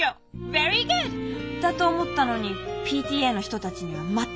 ベリーグッドだと思ったのにＰＴＡの人たちには全くの不評。